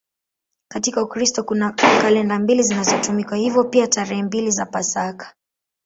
Katika Ukristo kuna kalenda mbili zinazotumika, hivyo pia tarehe mbili za Pasaka.